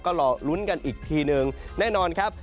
ก็รอลุ้นกันอีกทีหนึ่งแน่นอนครับ